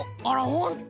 ほんと。